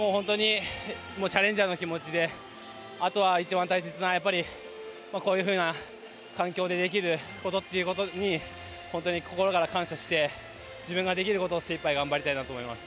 チャレンジャーの気持ちであとは、一番大切なこういうふうな環境でできることに本当に心から感謝して自分ができることを精いっぱい頑張りたいなと思います。